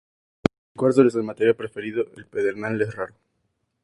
El cuarzo es el material preferido, el pedernal es raro.